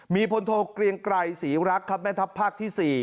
มีพลโทเกลียงไกรศรีรักครับแม่ทัพภาคที่๔